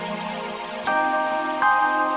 eh yang ngerasa cantik aja